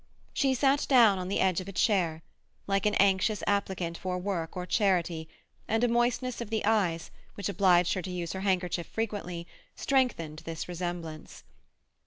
She sat down on the edge of a chair, like an anxious applicant for work or charity, and a moistness of the eyes, which obliged her to use her handkerchief frequently, strengthened this resemblance.